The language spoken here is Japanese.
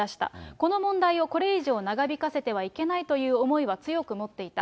この問題をこれ以上長引かせてはいけないという思いは強く持っていた。